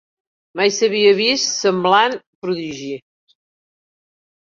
Mai s'havia vist semblant prodigi!